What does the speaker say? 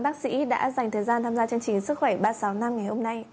bác sĩ đã dành thời gian tham gia chương trình sức khỏe ba mươi sáu năm ngày hôm nay